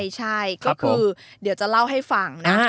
ใช่ก็คือเดี๋ยวจะเล่าให้ฟังนะ